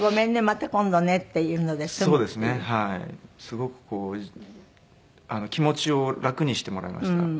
すごくこう気持ちを楽にしてもらいました。